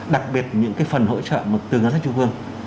đặc biệt những cái phần hỗ trợ từ ngân sách trung hương